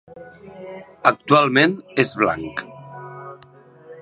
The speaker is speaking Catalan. Actualment és blanc.